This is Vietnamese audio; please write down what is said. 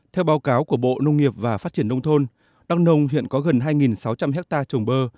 theo báo cáo của bộ nông nghiệp và phát triển nông thôn đắk nông hiện có gần hai sáu trăm linh hectare trồng bơ